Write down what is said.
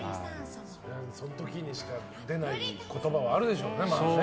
その時にしか出ない言葉はあるでしょうね。